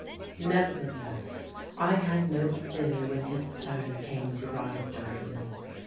Nevertheless, I had no fear when his turn came to ride the ring.